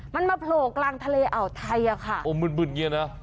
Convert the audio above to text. มันมาโผล่กลางทะเลอ่อไทยอ่ะค่ะโอ้มืดเงี้ยนะ